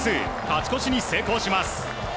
勝ち越しに成功します。